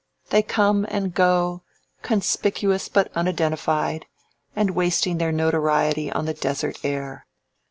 They come and go, conspicuous but unidentified, and wasting their notoriety on the desert air.